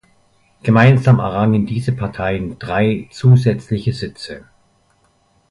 Gemeinsam errangen diese Parteien drei zusätzliche Sitze.